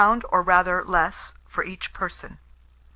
or rather less, for each person.